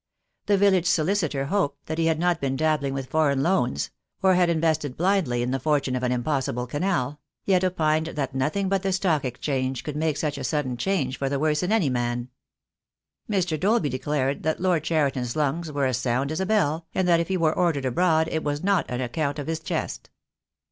The village solicitor hoped that he had not been dabbling with foreign loans — or had invested blindly in the fortune of an impossible canal — yet opined that nothing but the Stock Exchange could make such a sudden change for the worse in any man. Mr. Dolby declared that Lord Cheriton's lungs were as sound as a bell, and that if he were ordered abroad it was not on account of his chest.